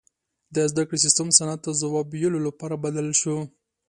• د زدهکړې سیستم صنعت ته ځواب ویلو لپاره بدل شو.